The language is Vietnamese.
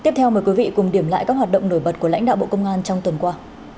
các quý vị cùng điểm lại các hoạt động nổi bật của lãnh đạo bộ công an trong tuần qua